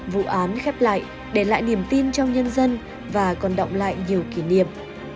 vụ án khép lại để lại niềm tin trong nhân dân và còn động lại nhiều kỷ niệm